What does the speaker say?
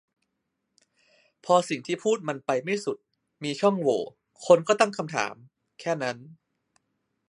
พอสิ่งที่พูดมันไปไม่สุด มีช่องโหว่ คนก็ตั้งคำถาม แค่นั้น